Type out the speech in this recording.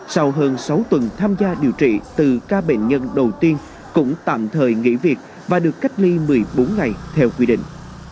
sau hơn sáu tuần tham gia điều trị từ ca bệnh nhân đầu tiên cũng tạm thời nghỉ việc và được cách ly một mươi bốn ngày theo quy định